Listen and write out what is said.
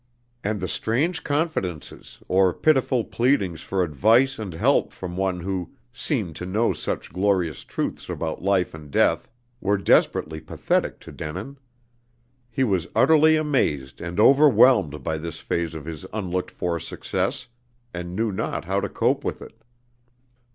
And the strange confidences, or pitiful pleadings for advice and help from one who "seemed to know such glorious truths about life and death," were desperately pathetic to Denin. He was utterly amazed and overwhelmed by this phase of his unlooked for success, and knew not how to cope with it.